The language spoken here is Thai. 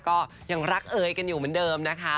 ก็ยังรักเอ๋ยกันอยู่เหมือนเดิมนะคะ